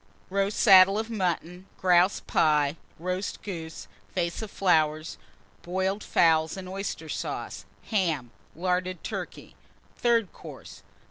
_ Roast Saddle of Mutton. Grouse Pie. Roast Goose. Vase of Boiled Fowls and Flowers. Oyster Sauce. Ham. Larded Turkey. _Third Course.